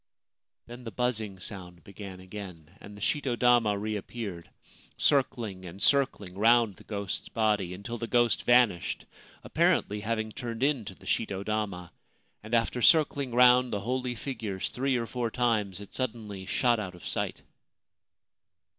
Then the buzzing sound began again, and the shito dama reappeared, circling and circling round the ghost's body, until the ghost vanished, apparently having turned into the shito dama ; and after circling round the holy figures three or four times it suddenly shot out of sight.